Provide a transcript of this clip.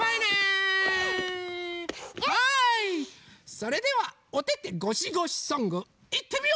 それではおててごしごしソングいってみよ！